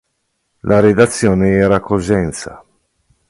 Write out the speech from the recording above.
La redazione era a Cosenza.